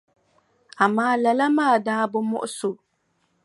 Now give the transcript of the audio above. Amaa lala maa daa bi muɣisi o.